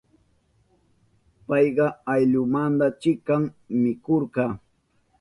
Payka ayllunmanta chikan mikuhurka.